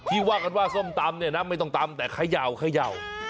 ว่ากันว่าส้มตำเนี่ยนะไม่ต้องตำแต่เขย่า